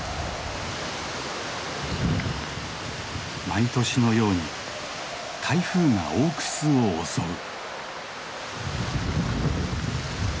毎年のように台風が大クスを襲う。